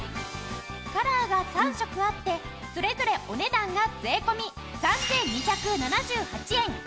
カラーが３色あってそれぞれお値段が税込３２７８円。